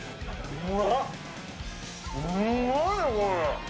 うまいよ、これ。